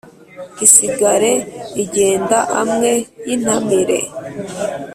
isigare igenda amwe y' intamire